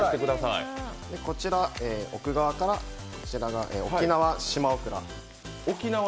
こちら奥側から、沖縄島オクラ。